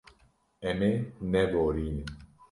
Em ê neborînin.